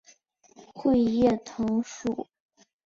穗叶藤属。